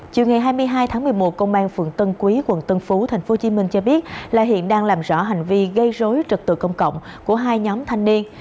chiều ngày hai mươi hai tháng một mươi một công an phường tân quý quận tân phú tp hcm cho biết là hiện đang làm rõ hành vi gây rối trật tự công cộng của hai nhóm thanh niên